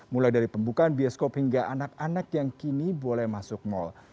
mulai dari pembukaan bioskop hingga anak anak yang kini boleh masuk mal